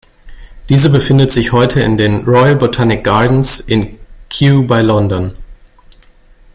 Diese befindet sich heute in den "Royal Botanic Gardens" in Kew bei London.